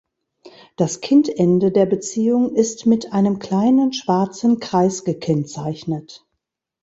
Das Kind-Ende der Beziehung ist mit einem kleinen schwarzen Kreis gekennzeichnet.